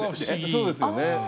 そうですよね。